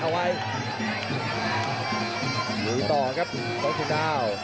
หนีต่อกับกองกองทริคดาว